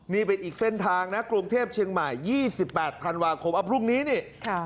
นี่เป็นอีกเส้นทางนะกรุงเทพเชียงใหม่๒๘ธันวาคมอัพพรุ่งนี้นี่